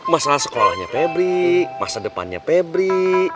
masalah sekolahnya pebri masa depannya pebri